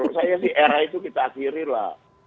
menurut saya sih era itu kita akhiri lah